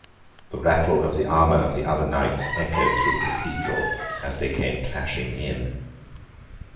The rattle of the armour of the other knights echoed through the Cathedral, as they came clashing in.